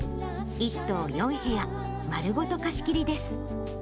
１棟４部屋、丸ごと貸し切りです。